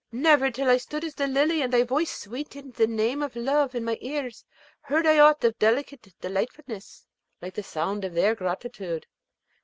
Never till I stood as the Lily and thy voice sweetened the name of love in my ears, heard I aught of delicate delightfulness, like the sound of their gratitude.